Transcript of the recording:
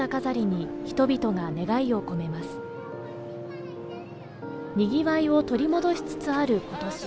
にぎわいを取り戻しつつある今年。